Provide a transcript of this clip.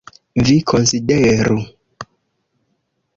Vi konsideru!